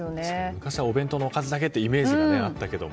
昔はお弁当のおかずだけというイメージがあったけども。